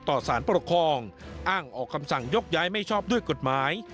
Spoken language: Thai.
ต่อสารปกครองอ้างออกคำสั่งยกย้ายไม่ชอบด้วยกฎหมาย